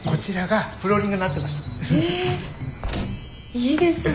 いいですね。